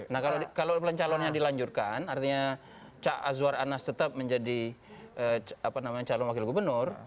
nah kalau pencalonnya dilanjutkan artinya cak azwar anas tetap menjadi calon wakil gubernur